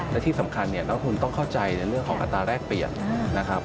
และที่สำคัญเนี่ยแล้วคุณต้องเข้าใจในเรื่องของอัตราแรกเปลี่ยนนะครับ